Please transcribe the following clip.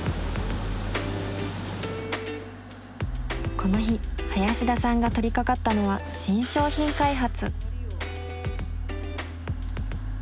この日林田さんが取りかかったのは新商品開発。